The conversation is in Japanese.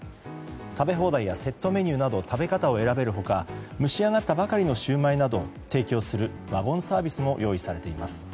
食べ放題やセットメニューなど食べ方を選べる他蒸し上がったシューマイなどのワゴンサービスも用意されています。